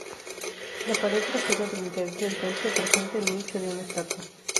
La pared trasera del interior del templo presenta el nicho de una estatua.